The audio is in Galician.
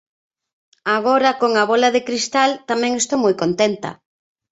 Agora con "A bola de cristal" tamén estou moi contenta.